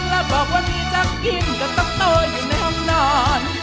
แล้วบอกว่ามีจักกิ่มกับตกโตอยู่ในห้องนอน